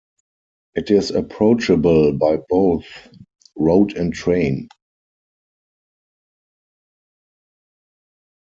It is approachable by both road and train.